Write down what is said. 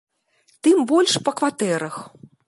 Тым больш, па кватэрах.